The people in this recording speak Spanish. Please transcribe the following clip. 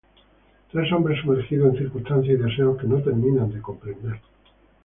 Tres hombres sumergidos en circunstancias y deseos que no terminan de comprender.